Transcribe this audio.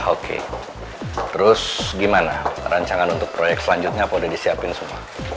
oke terus gimana rancangan untuk proyek selanjutnya apa udah disiapin semua